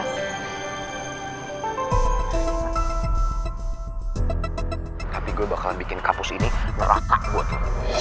tapi gue bakalan bikin kampus ini merah kak buat lo